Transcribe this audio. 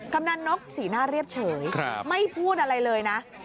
กำลังนกสีหน้าเรียบเฉยไม่พูดอะไรเลยนะ